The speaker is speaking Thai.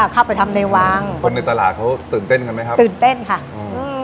เข้าไปทำในวังคนในตลาดเขาตื่นเต้นกันไหมครับตื่นเต้นค่ะอืม